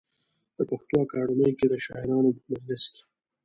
د پښتو اکاډمۍ کې د شاعرانو په مجلس کې.